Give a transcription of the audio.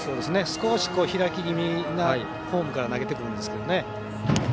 少し開き気味なフォームから投げてくるんですけどね。